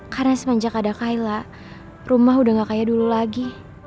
karena semenjak ada kayla rumah udah gak kayak dulu lagi